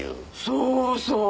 そうそう！